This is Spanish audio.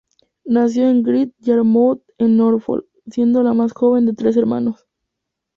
Nació en Great Yarmouth en Norfolk, siendo la más joven de tres hermanos.